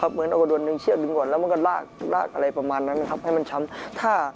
เหมือนโดนดึงเชือกดึงก่อนแล้วมันก็ลากอะไรประมาณนั้นให้มันช้ำ